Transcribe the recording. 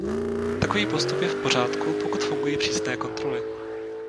Takový postup je v pořádku, pokud fungují přísné kontroly.